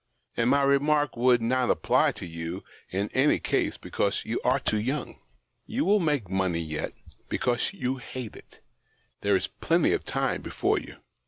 And my remark would not apply to you in any case, because you are too young. You will make money yet, because you hate it ; there is plenty of time before you."